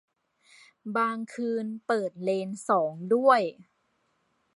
บางคืนเปิดเลนสองด้วย